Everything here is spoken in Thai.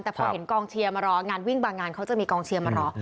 แต่พอเห็นกองเชียร์มารองานวิ่งบางงานเขาจะมีกองเชียร์มารอ